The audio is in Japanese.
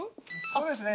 そうですね。